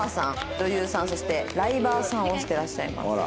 女優さんそしてライバーさんをしてらっしゃいます。